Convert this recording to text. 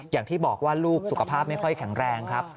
อย่างที่บอกว่าลูกสุขภาพไม่ค่อยแข็งแรงครับ